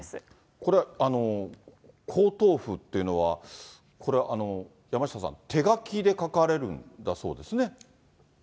これは皇統譜っていうのは、これ、山下さん、手書きで書かれるんだそうですね。